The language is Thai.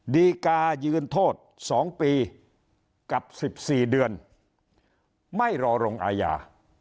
ดีกายืนโทษสองปีกับสิบสี่เดือนไม่รอร่งอายา